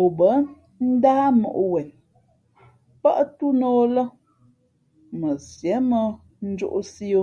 O bάndáh mǒʼ wen pάʼ túná ō lά mα Sié mᾱ njōʼsī o.